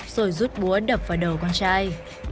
rồi rút búa đập vào đầu con trai